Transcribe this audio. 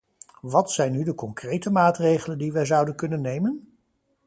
Wat zijn nu de concrete maatregelen die wij zouden kunnen nemen?